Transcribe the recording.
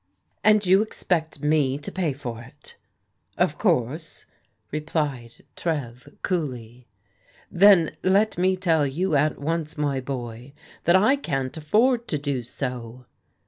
" And you expect me to pay for it? " "Of course," replied Trev coolly. "Then let me tell you at once, my boy, that I can't afford to do so."